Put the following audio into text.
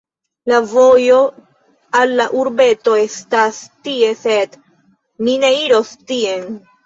La vojo al la urbeto estas tie sed mi ne iros tien